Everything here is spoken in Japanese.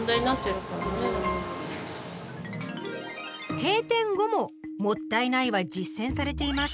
閉店後も「もったいない」は実践されています。